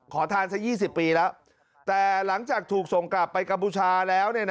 ขอทานสัก๒๐ปีแล้วแต่หลังจากถูกส่งกลับไปกัมพูชาแล้ว